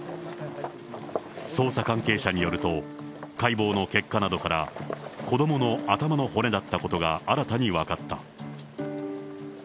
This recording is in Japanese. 捜査関係者によると、解剖の結果などから、子どもの頭の骨だったことが新たに分かった。